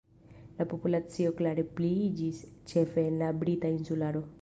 La populacio klare pliiĝis ĉefe en la Brita Insularo.